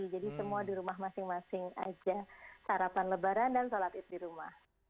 jadi semua di rumah masing masing saja sarapan lebaran dan sholat idh di rumah